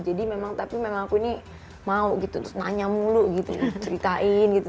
jadi memang tapi memang aku ini mau gitu terus nanya mulu gitu ceritain gitu